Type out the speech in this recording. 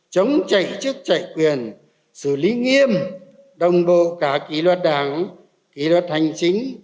chống chạy chức chạy quyền xử lý nghiêm đồng bộ cả kỷ luật đảng kỷ luật hành chính